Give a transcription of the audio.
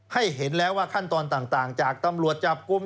เห็นแล้วว่าขั้นตอนต่างจากตำรวจจับกลุ่ม